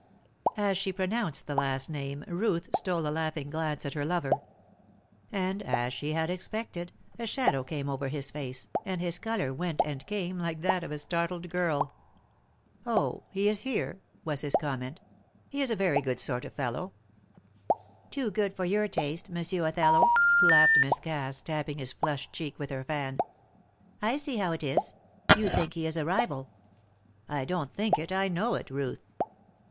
As she pronounced the last name Ruth stole a laughing glance at her lover. And, as she had expected, a shadow came over his face, and his colour went and came like that of a startled girl. "Oh, is he here?" was his comment. "He is a very good sort of fellow." "Too good for your taste, Monsieur Othello," laughed Miss Cass, tapping his flushed cheek with her fan. "I see how it is. You think he is a rival." "I don't think it, I know it. Ruth."